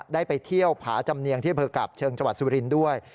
ได้ไปเที่ยวผาจำเนียงที่อำเภอกาบเชิงจังหวัดสุรินทร์ด้วย